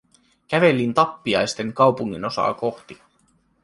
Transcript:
Kävelin tappiaisten kaupunginosaa kohti.